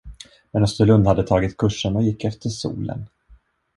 Men Österlund hade tagit kursen och gick efter solen.